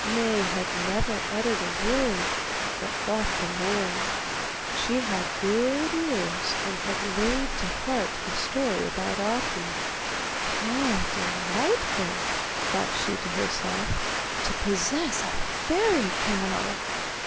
Maie had never uttered a word, but thought the more. She had good ears, and had laid to heart the story about Ahti. 'How delightful,' thought she to herself, 'to possess a fairy cow!